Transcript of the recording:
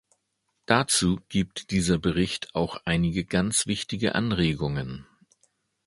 Dazu gibt dieser Bericht auch einige ganz wichtige Anregungen.